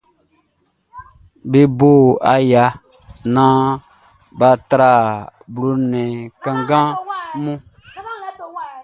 Be bo aya naan bʼa tra blo nnɛn kanngan mun.